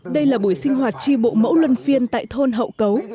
đây là buổi sinh hoạt tri bộ mẫu luân phiên tại thôn hậu cấu